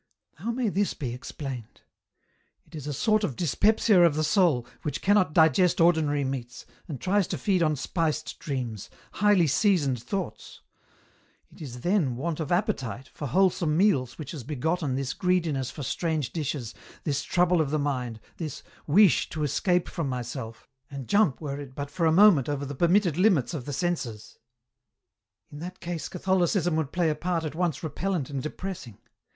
How may this be explained ? It is a sort of dyspepsia of the soul, which cannot digest ordinary meats, and tries to feed on spiced dreams, highly seasoned thoughts ; it is then want of appetite for wholesome meals which has begotten this greediness for strange dishes, this trouble of the mind, this wish to escape from myself, and jump were it but for a moment over the permitted limits of the senses. "In that case Catholicism would play a part at once repellent and depressing.